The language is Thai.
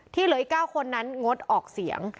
เหลืออีก๙คนนั้นงดออกเสียง